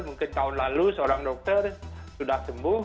mungkin tahun lalu seorang dokter sudah sembuh